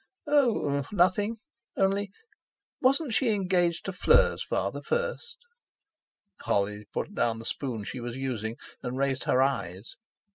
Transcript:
"Oh! nothing. Only, wasn't she engaged to Fleur's father first?" Holly put down the spoon she was using, and raised her eyes.